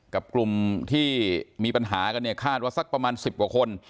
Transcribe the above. กับกลุ่มที่มีปัญหากันเนี่ยคาดว่าสักประมาณ๑๐กว่าคน